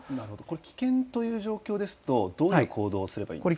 危険という状況ですと、どういう行動をすればいいですか。